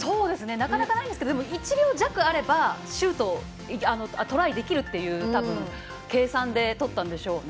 なかなか、ないんですけど１秒弱あればトライできるという計算でとったんでしょうね。